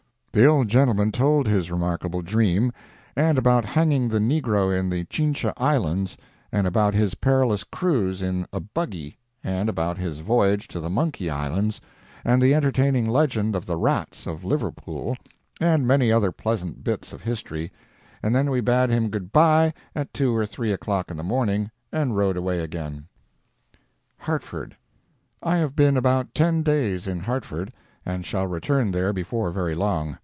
The old gentleman told his remarkable dream, and about hanging the negro in the Chincha Islands and about his perilous cruise in a buggy, and about his voyage to the Monkey Islands, and the entertaining legend of the rats of Liverpool, and many other pleasant bits of history and then we bade him goodbye, at 2 or 3 o'clock in the morning, and rowed away again. HARTFORD I have been about ten days in Hartford, and shall return there before very long.